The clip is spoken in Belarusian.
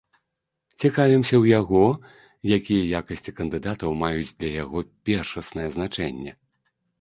Цікавімся ў яго, якія якасці кандыдатаў маюць для яго першаснае значэнне.